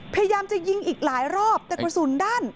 พยายามจะยิงอีกหลายรอบแต่กระสุนด้าน